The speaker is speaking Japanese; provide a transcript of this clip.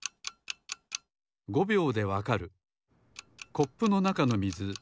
コップのなかのみず